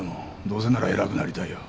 どうせなら偉くなりたいよ。